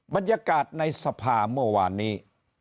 บรรยากาศในสภาเมื่อวานนี้